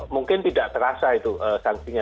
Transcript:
mungkin tidak terasa itu sanksinya